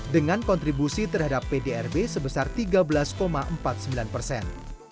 dengan kontribusi terhadap pdrb sebesar tiga belas empat puluh sembilan persen